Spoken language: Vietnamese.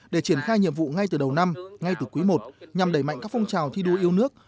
để triển khai nhiệm vụ ngay từ đầu năm ngay từ quý i nhằm đẩy mạnh các phong trào thi đua yêu nước